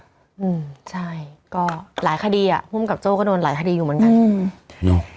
อืมใช่ก็หลายคดีอ่ะภูมิกับโจ้ก็โดนหลายคดีอยู่เหมือนกันอืมเนอะ